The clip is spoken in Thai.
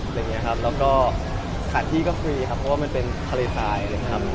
สถานที่ก็ฟรีครับเพราะว่ามันเป็นทะเลทายเลยครับ